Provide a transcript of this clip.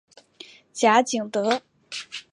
贾景德。